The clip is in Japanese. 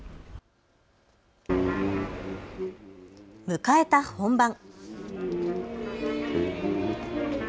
迎えた本番。